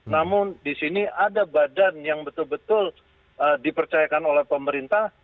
namun di sini ada badan yang betul betul dipercayakan oleh pemerintah